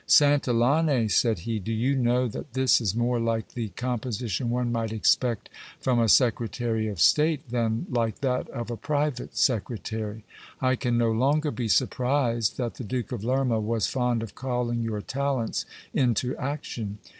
Santillane, said he, do you know that this is more like the composition one might expect from a secretary of state, than like that of a private secretary ? I can no longer be surprised that the Duke of Lerma was fond of calling your talents into ac tion.